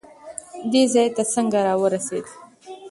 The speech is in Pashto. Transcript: دې ځای ته څنګه راورسېد؟